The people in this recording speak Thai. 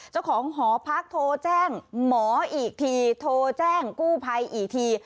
เจ้าของหอพักโทรแจ้งหมออีกทีโทรแจ้งกู้ภัยอีกที